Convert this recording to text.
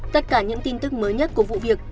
tất cả những tin tức mới nhất của vụ việc